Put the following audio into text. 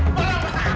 amun kesialan aja